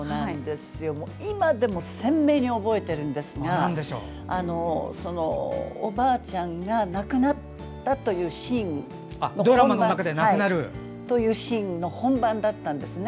今でも鮮明に覚えているんですがおばあちゃんが亡くなるというシーンの本番だったんですね。